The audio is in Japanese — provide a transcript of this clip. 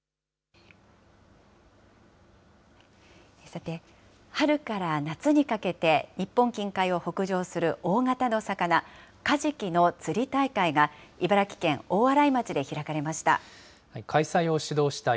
さて、春から夏にかけて、日本近海を北上する大型の魚、カジキの釣り大会が、茨城県大洗町で開かれました。